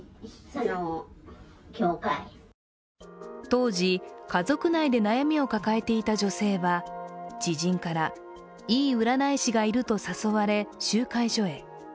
当時、家族内で悩みを抱えていた女性は知人から、いい占い師がいると誘われ集会所へ。